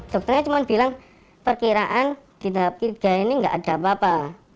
dokternya cuma bilang perkiraan di tahap tiga ini nggak ada apa apa